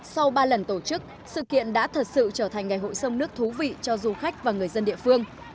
sau ba lần tổ chức sự kiện đã thật sự trở thành ngày hội sông nước thú vị cho du khách và người dân địa phương